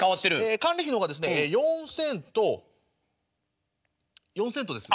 管理費の方がですねよんせんと４セントですね。